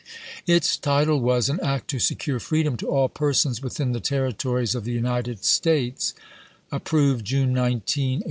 Its title was, "An act to secure freedom to all persons within the Territories of the United States," ap 100 ABEAHAM LINCOLN CHAP. V.